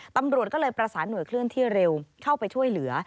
ตำรวจก็เลยประสานหน่วยเคลื่อนที่เร็วเข้าไปช่วยเหลือ